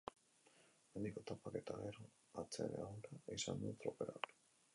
Mendiko etapak eta gero atseden eguna izan du tropelak.